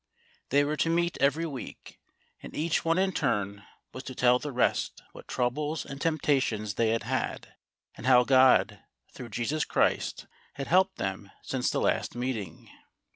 They were to meet every week, and each one in turn was to tell the rest what troubles and temptations they had had, and how God, through Jesus Christ, had helped them since the last meeting.